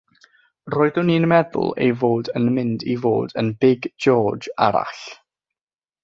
Roeddwn i'n meddwl ei fod yn mynd i fod yn Big George arall.